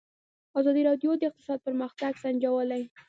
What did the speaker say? ازادي راډیو د اقتصاد پرمختګ سنجولی.